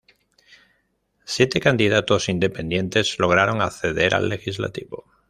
Siete candidatos independientes lograron acceder al legislativo.